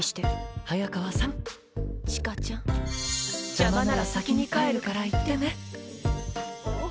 邪魔なら先に帰るから言ってね。